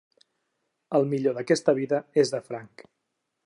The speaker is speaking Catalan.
El millor d'aquesta vida és de franc.